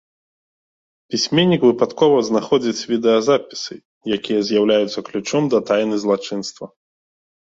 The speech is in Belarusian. Пісьменнік выпадкова знаходзіць відэазапісы, якія з'яўляюцца ключом да тайны злачынства.